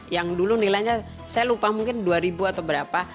yang dulu nilainya saya lupa mungkin dua ribu atau berapa